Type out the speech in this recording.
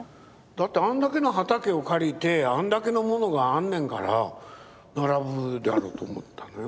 だってあんだけの畑を借りてあんだけのものがあんねんから並ぶだろうと思ったのよ。